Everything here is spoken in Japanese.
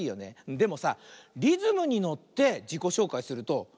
でもさリズムにのってじこしょうかいするとたのしいんだよ。